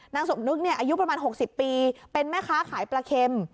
นางสมนึกเนี้ยอายุประมาณหกสิบปีเป็นแม่ค้าขายประเข็ม